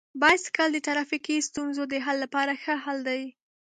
بایسکل د ټرافیکي ستونزو د حل لپاره ښه حل دی.